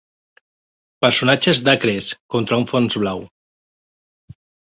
Personatges d'Acres, contra un fons blau.